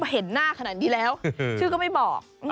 เห็นหน้าขนาดนี้แล้วชื่อก็ไม่บอก